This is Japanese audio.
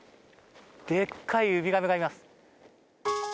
でっかいウミガメがいます。